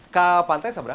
ke pantai sabra